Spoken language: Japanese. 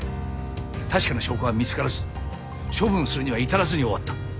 確かな証拠が見つからず処分するには至らずに終わった。